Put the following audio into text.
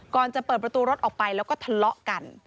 ก่อนจะเปิดประตูรถออกไปแล้วก็ทะเลาะกัน